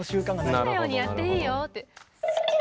「好きなようにやっていいよ」って。